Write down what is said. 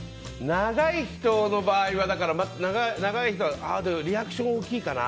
長い人の場合はだからリアクションが大きいかな。